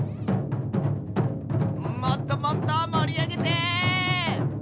もっともっともりあげて！